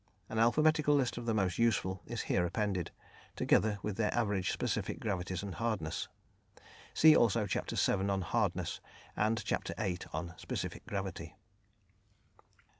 An alphabetical list of the most useful is here appended, together with their average specific gravities and hardness. (See also Chapter VII. on "Hardness," and Chapter VIII. on "Specific Gravity.")